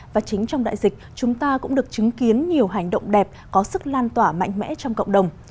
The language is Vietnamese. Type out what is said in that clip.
và chính trong đại dịch chúng ta cũng được chứng kiến nhiều hành động đẹp có sức lan tỏa mạnh mẽ trong cộng đồng